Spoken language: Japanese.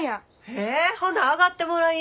へえほな上がってもらい。